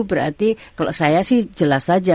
berarti kalau saya sih jelas saja